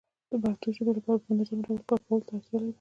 پښتو ژبې لپاره په منظمه ډول کار کولو ته اړتيا لرو